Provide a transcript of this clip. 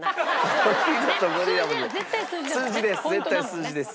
数字です。